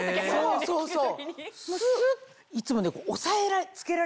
そうそうそう。